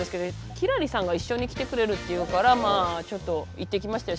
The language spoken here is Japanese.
輝星さんが一緒に来てくれるっていうからまあちょっと行ってきましたよ